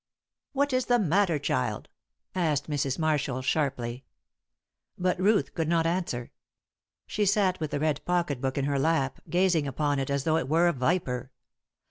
"What is the matter, child?" asked Mrs. Marshall, sharply. But Ruth could not answer. She sat with the red pocket book in her lap, gazing upon it as though it were a viper.